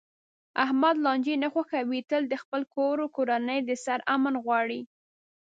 احمد لانجې نه خوښوي، تل د خپل کور کورنۍ د سر امن غواړي.